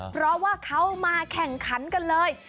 เพราะว่าเขามาแข่งขันกันเลย